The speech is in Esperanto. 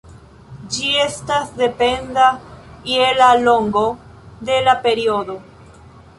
Ĝi estas dependa je la longo de la periodo.